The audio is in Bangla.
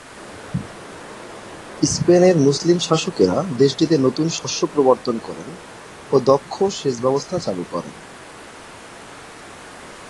স্পেনের মুসলিম শাসকেরা দেশটিতে নতুন শস্য প্রবর্তন করেন ও দক্ষ সেচ ব্যবস্থা চালু করেন।